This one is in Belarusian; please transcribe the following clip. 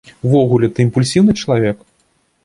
Увогуле, ты імпульсіўны чалавек?